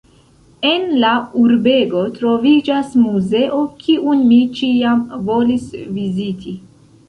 En la urbego troviĝas muzeo, kiun mi ĉiam volis viziti.